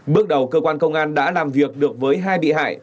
bước đầu cơ quan công an đã làm việc được với hai bị hại